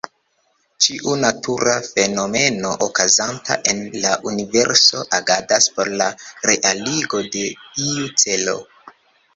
Ĉiu natura fenomeno okazanta en la universo agadas por la realigo de iu celo.